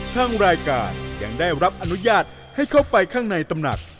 ทางรายการยังได้รับอนุญาตให้เข้าไปข้างในตำหนัก